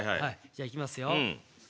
じゃいきますよ。